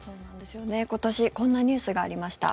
今年こんなニュースがありました。